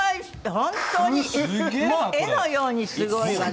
本当にもう絵のようにすごいわね！